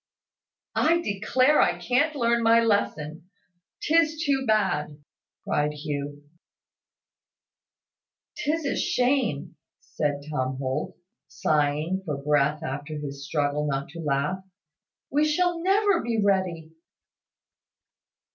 "I declare I can't learn my lesson 'tis too bad!" cried Hugh. "'Tis a shame!" said Tom Holt, sighing for breath after his struggle not to laugh. "We shall never be ready."